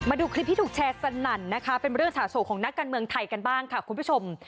มาดูคลิปที่ถูกแชร์สนั่นนะคะเป็นเรื่องสะโของนักการเมืองไทยกันบ้างค่ะคุณผู้ชม